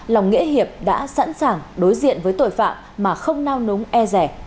lòng nghĩa hiệp đã sẵn sàng đối diện với tội phạm mà không nao núng e rẻ